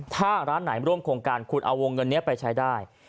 ถ้าร้านไหนร่วมโครงการคุณเอาวงเงินนี้ไปใช้ได้